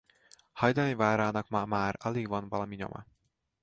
Hajdani várának ma már alig van valami nyoma.